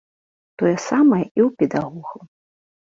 Тое самае і ў педагогаў.